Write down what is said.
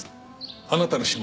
あなたの指紋